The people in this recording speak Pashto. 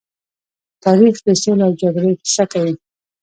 تاریخ د سولې او جګړې کيسه کوي.